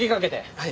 はい。